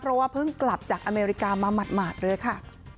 เพราะว่าเพิ่งกลับจากอเมริกามาหมาดเลยค่ะ